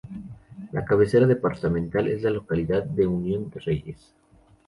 La cabecera departamental es la localidad de Unión de Reyes.